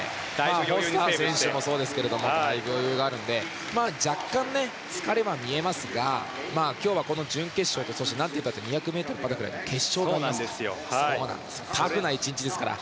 フォスター選手もそうですがだいぶ余裕があるので若干、疲れは見えますが今日は、この準決勝と何といっても２００ｍバタフライ決勝がありますのでタフな１日ですから。